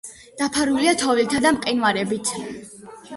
დაფარულია თოვლითა და მყინვარებით.